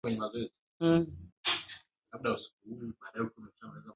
Juliana alimjua Jabir kwa undani lakini Jabir hakuwa anajua kuwa Juliana ni jasusi mkubwa